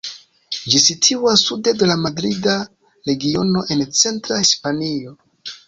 Ĝi situas sude de la Madrida Regiono en centra Hispanio.